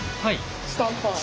スタンパー。